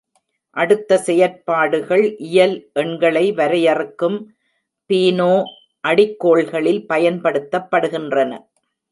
அடுத்த செயற்பாடுகள் இயல் எண்களை வரையறுக்கும் பீனோ அடிக்கோள்களில் பயன்படுத்தப்படுகின்றன.